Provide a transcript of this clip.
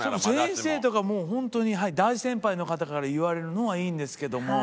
先生とかもう本当に大先輩の方から言われるのはいいんですけども。